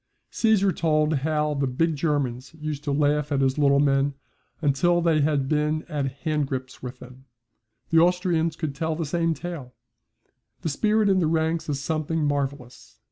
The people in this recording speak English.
Caesar told how the big Germans used to laugh at his little men until they had been at handgrips with them. The Austrians could tell the same tale. The spirit in the ranks is something marvellous.